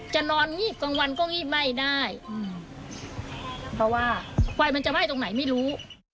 นอนงีบกลางวันก็งีบไหม้ได้เพราะว่าไฟมันจะไหม้ตรงไหนไม่รู้